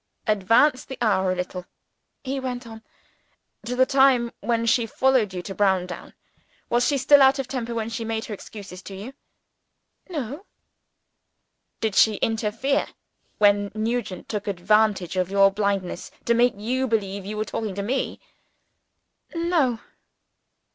"Advance the hour a little," he went on, "to the time when she followed you to Browndown. Was she still out of temper, when she made her excuses to you?" "No." "Did she interfere, when Nugent took advantage of your blindness to make you believe you were talking to me?" "No."